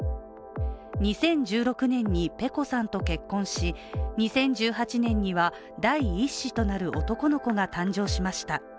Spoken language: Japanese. ２０１６年にｐｅｃｏさんと結婚し２０１８年には第一子となる男の子が誕生しました。